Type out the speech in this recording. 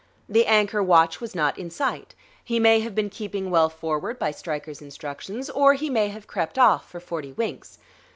The anchor watch was not in sight; he may have been keeping well forward by Stryker's instructions, or he may have crept off for forty winks.